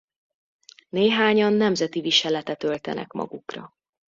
Néhányan nemzeti viseletet öltenek magukra.